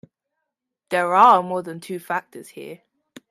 There are more than two factors here.